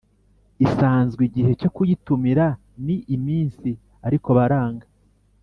isanzwe Igihe cyo kuyitumira ni iminsi ariko baranga